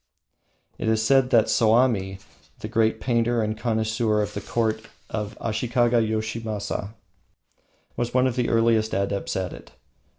It is said that Soami, the great painter and connoisseur of the court of Ashikaga Yoshimasa, was one of the earliest adepts at it.